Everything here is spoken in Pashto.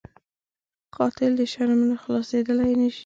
قاتل د شرم نه خلاصېدلی نه شي